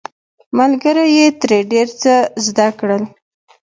ملګرو یې ترې ډیر څه زده کړل.